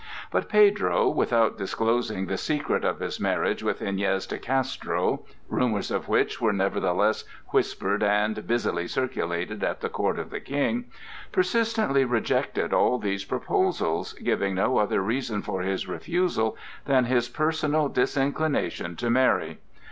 But Pedro, without disclosing the secret of his marriage with Iñez de Castro (rumors of which were nevertheless whispered and busily circulated at the court of the King), persistently rejected all these proposals, giving no other reason for his refusal than his personal disinclination to marry.